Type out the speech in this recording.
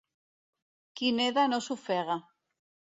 Qui neda no s'ofega.